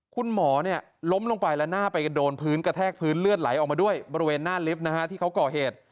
คุณหมอล้มลงไปแล้วหน้าไปก็โดนพื้นกระแทกพื้นเลือดไหลออกมาด้วยบริเวณหน้าลิฟต์นะฮะที่เขาก่อเหตุ